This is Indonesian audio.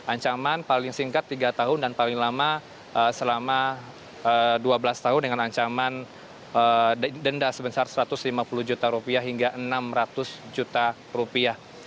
ancaman paling singkat tiga tahun dan paling lama selama dua belas tahun dengan ancaman denda sebesar satu ratus lima puluh juta rupiah hingga enam ratus juta rupiah